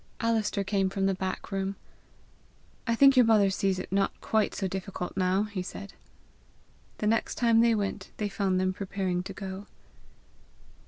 Alister came from the back room. "I think your mother sees it not quite so difficult now," he said. The next time they went, they found them preparing to go.